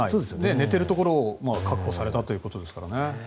寝ているところを確保されたということですから。